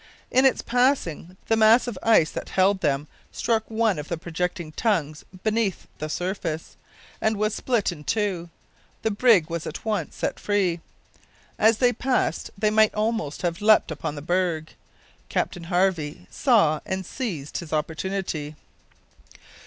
In its passing, the mass of ice that held them struck one of the projecting tongues beneath the surface, and was split in two. The brig was at once set free. As they passed they might almost have leaped upon the berg. Captain Harvey saw and seized his opportunity.